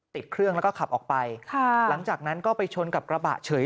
ติดเครื่องแล้วก็ขับออกไปค่ะหลังจากนั้นก็ไปชนกับกระบะเฉย